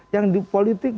yang di politiknya